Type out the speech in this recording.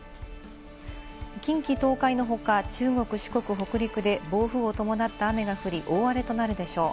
近畿、東海の他、中国、四国、北陸で暴風を伴った雨が降り、大荒れとなるでしょう。